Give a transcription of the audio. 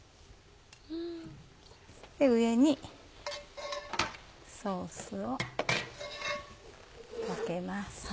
上にソースをかけます。